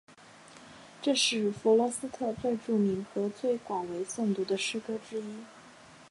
这是弗罗斯特最著名和最广为诵读的诗歌之一。